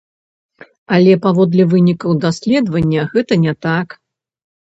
Але паводле вынікаў даследавання, гэта не так.